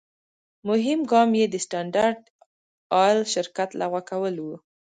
مهم ګام یې د سټنډرد آیل شرکت لغوه کول و.